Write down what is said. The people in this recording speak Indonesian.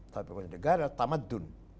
tapi negara tamaddun